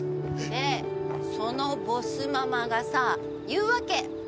でそのボスママがさ言うわけ。